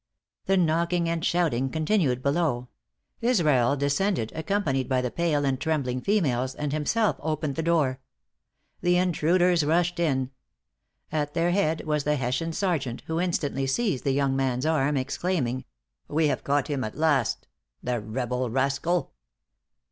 The knocking and shouting continued below; Israel descended, accompanied by the pale and trembling females, and himself opened the door. The intruders rushed in. At their head was the Hessian sergeant, who instantly seized the young man's arm, exclaiming, "We have caught him at last the rebel rascal!"